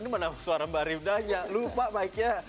mana suara mbak rivna jangan lupa mic nya